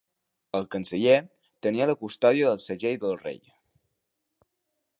El canceller tenia la custòdia del segell del rei.